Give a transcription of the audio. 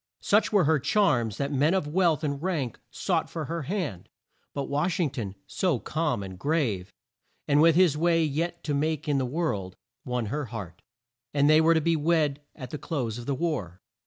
Such were her charms that men of wealth and rank sought for her hand, but Wash ing ton, so calm and grave, and with his way yet to make in the world, won her heart, and they were to be wed at the close of the war.